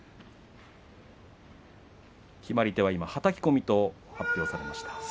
決まり手ははたき込みと発表されました。